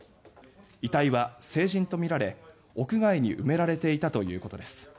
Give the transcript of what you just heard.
遺体は成人とみられ屋外に埋められていたということです。